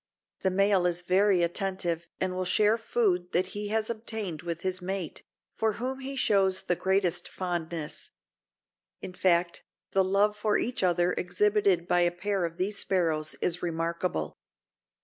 The male is very attentive and will share food that he has obtained with his mate, for whom he shows the greatest fondness. In fact, the love for each other exhibited by a pair of these sparrows is remarkable.